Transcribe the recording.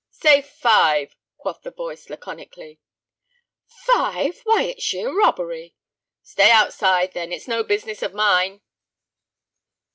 "Say five," quoth the voice, laconically. "Five! Why it's sheer robbery!" "Stay outside, then; it's no business of mine."